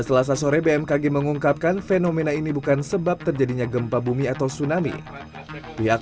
selasa sore bmkg mengungkapkan fenomena ini bukan sebab terjadinya gempa bumi atau tsunami pihak